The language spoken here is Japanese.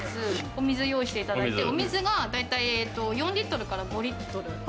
お水用意していただいて、水がだいたい４リットルから５リットル。